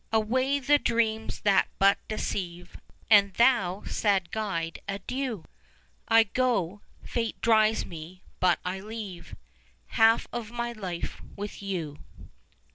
Away the dreams that but deceive! And thou, sad Guide, adieu! 30 I go; Fate drives me: but I leave Half of my life with you.